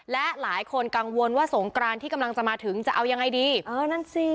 และหลายคนกังวลว่าสงกรานที่กำลังจะมาถึงจะเอายังไงดีเออนั่นสิ